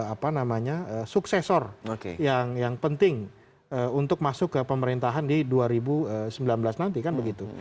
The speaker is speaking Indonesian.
apa namanya suksesor yang penting untuk masuk ke pemerintahan di dua ribu sembilan belas nanti kan begitu